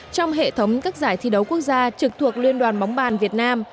trong hệ thống các giải thi đấu quốc gia trực thuộc liên đoàn bóng bàn việt nam